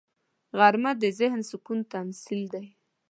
غرمه د ذهني سکون تمثیل دی